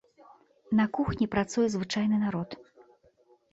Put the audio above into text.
На кухні працуе звычайны народ.